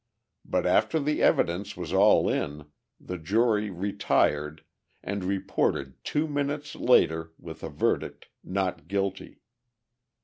But after the evidence was all in, the jury retired, and reported two minutes later with a verdict "Not guilty."